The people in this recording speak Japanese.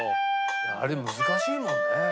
「あれ難しいもんね」